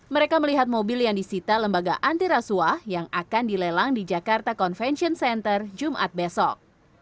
mereka melihat mobil yang disita lembaga antirasuah yang akan dilelang di jakarta convention center jumat besok